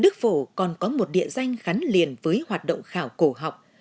đức phổ còn có một địa danh gắn liền với hoạt động khảo cổ học